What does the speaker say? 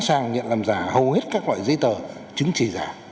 các đối tượng cũng sẵn sàng nhận làm giả hầu hết các loại giấy tờ chứng chỉ giả